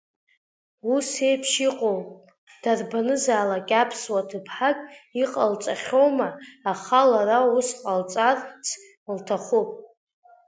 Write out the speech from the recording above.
Ус еиԥш иҟоу, дарбанзаалак, аԥсуа ҭыԥҳак иҟалҵахьоума, аха лара ус ҟалҵарц лҭахуп.